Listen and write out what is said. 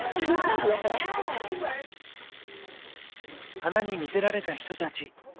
花に魅せられた人たち。